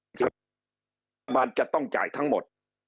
ครับมันจะต้องจ่ายทั้งหมด